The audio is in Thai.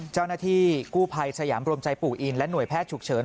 เจ้าหน้าที่กู้ภัยสยามรวมใจปู่อินและหน่วยแพทย์ฉุกเฉิน